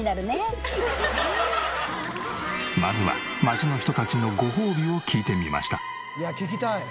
まずは街の人たちのごほうびを聞いてみました。